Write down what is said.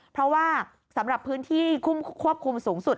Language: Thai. เพราะว่าสำหรับพื้นที่ควบคุมสูงสุด